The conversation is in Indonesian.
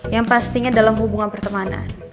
yang pastinya dalam hubungan pertemanan